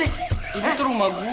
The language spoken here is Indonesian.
duduk di rumah gue